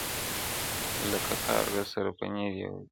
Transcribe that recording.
له کارګه سره پنیر یې ولیدله-